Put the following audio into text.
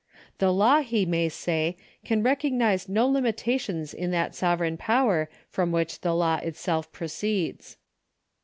The law, he may say, can recognise no limitations in that sovereign jiower from which the law itself proceeds.